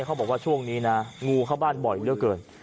เขาบอกว่าช่วงนี้นะงูเข้าบ้านบ่อยเหลือเกิน